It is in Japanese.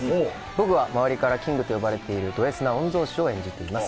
僕は周りからキングと呼ばれているドＳな御曹司を演じています